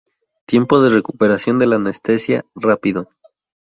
Tiempo de recuperación de la anestesia: rápido.